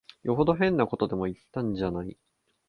よほど変なことでも言ったんじゃない。